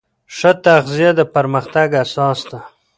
ښه تغذیه د پرمختګ اساس ده.